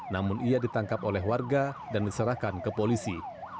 namun ia ditangkap oleh warga dan diserahkan ke polisi